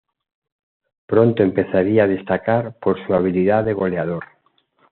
Pronto empezaría a destacar por su habilidad de goleador.